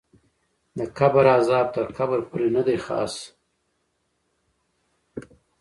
د قبر غذاب تر قبر پورې ندی خاص